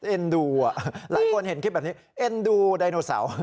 เอ็นดูหลายคนเห็นคลิปแบบนี้เอ็นดูไดโนเสาร์